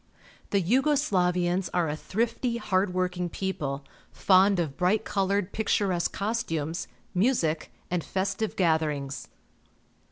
The Yugo Slavians are a thrifty, hard working people, fond of bright coloured, picturesque costumes, music, and festive gatherings.